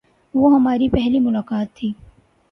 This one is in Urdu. وہ ہماری پہلی ملاقات تھی۔